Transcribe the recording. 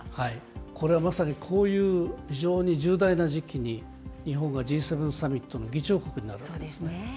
これはまさにこういう非常に重大な時期に、日本がＧ７サミットの議長国であるということですね。